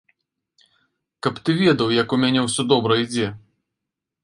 Каб ты ведаў, як у мяне ўсё добра ідзе!